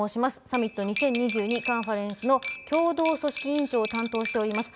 サミット２０２２カンファレンスの共同組織委員長を担当しております。